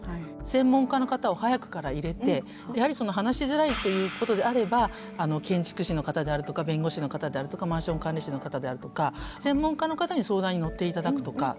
専門家の方を早くから入れてやはりその話しづらいということであれば建築士の方であるとか弁護士の方であるとかマンション管理士の方であるとか専門家の方に相談に乗っていただくとか。